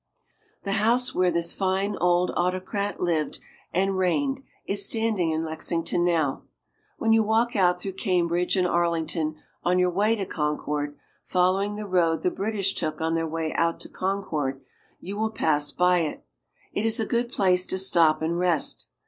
The house where this fine old autocrat lived and reigned is standing in Lexington now. When you walk out through Cambridge and Arlington on your way to Concord, following the road the British took on their way out to Concord, you will pass by it. It is a good place to stop and rest.